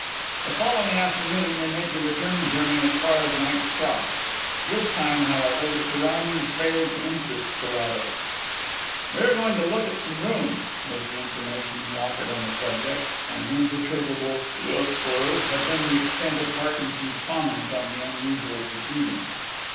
The following afternoon they made the return journey as far as Knight's Cross. This time, however, the surroundings failed to interest Carrados. "We are going to look at some rooms," was the information he offered on the subject, and an imperturbable "Yes, sir" had been the extent of Parkinson's comment on the unusual proceeding.